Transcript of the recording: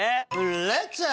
レッツ。